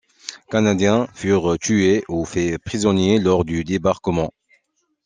Canadiens furent tués ou faits prisonniers lors du débarquement.